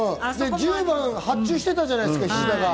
１０番発注してたじゃないですか、菱田が。